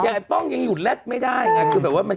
อย่างไอ้ป้องยังหยุดแร็กไม่ได้ไง